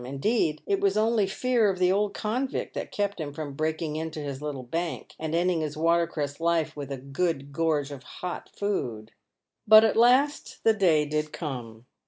Indeed, it was only fear of the old convict that kept him from "breaking into" his little bank, and ending his water cress life with a good gorge of hot food. But at last the day did come.